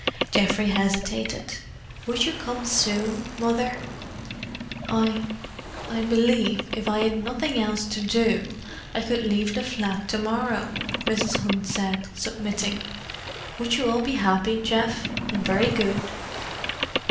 Geoffrey hesitated. "Would you come soon, Mother?" "I—I believe if I had nothing else to do I could leave the flat to morrow," Mrs. Hunt said, submitting. "Would you all be happy, Geoff?—and very good?"